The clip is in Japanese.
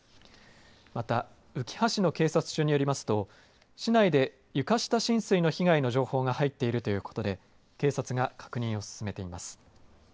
また、うきは市の警察署によりますと市内で床下浸水の被害の情報が入っているということで警察が確認を進めています。